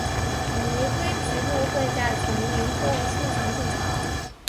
玫瑰琵鹭会在丛林或树上筑巢。